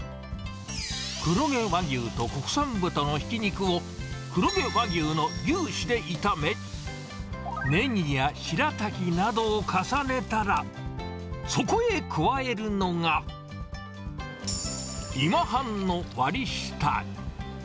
黒毛和牛と国産豚のひき肉を、黒毛和牛の牛脂で炒め、ネギやしらたきなどを重ねたら、そこへ加えるのが、今半の割り下。